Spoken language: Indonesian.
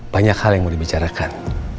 banyak hal yang mau dibicarakan